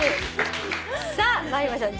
さあ参りましょう。